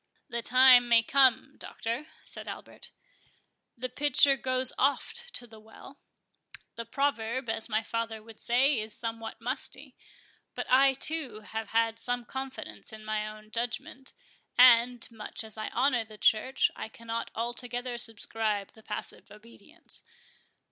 "The time may come, Doctor," said Albert; "The pitcher goes oft to the well.—The proverb, as my father would say, is somewhat musty. But I, too, have some confidence in my own judgment; and, much as I honour the Church, I cannot altogether subscribe to passive obedience.